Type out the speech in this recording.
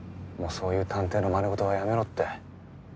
もうそういう探偵のまね事はやめろって。